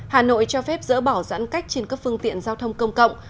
hà nội cho phép dỡ bỏ giãn cách trên các phương tiện giao thông công cộng